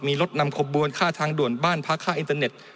มีรถนำขบวนค่าทางด่วนบ้านพักค่าอินเตอร์เน็ต